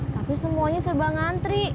tapi semuanya serba ngantri